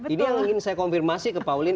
ini yang ingin saya konfirmasi ke pauline